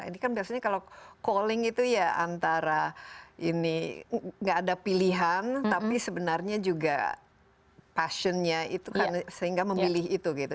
ini kan biasanya kalau calling itu ya antara ini gak ada pilihan tapi sebenarnya juga passionnya itu kan sehingga memilih itu gitu